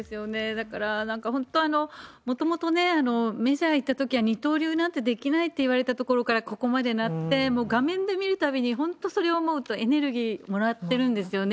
だから、なんか本当、もともとメジャー行ったときは二刀流なんてできないっていわれたところからここまでなって、もう画面で見るたびに、本当それを思うと、エネルギーもらってるんですよね。